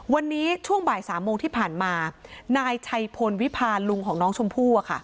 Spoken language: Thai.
วันนี้ช่วงบ่าย๓โมงที่ผ่านมานายชัยพลวิพาลลุงของน้องชมพู่